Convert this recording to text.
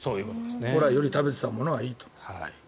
古来より食べていたものはいいと。